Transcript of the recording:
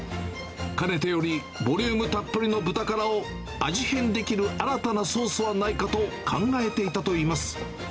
かねてよりボリュームたっぷりのブタカラを、味変できる新たなソースはないかと考えていたといいます。